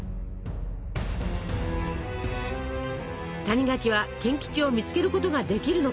谷垣は賢吉を見つけることができるのか。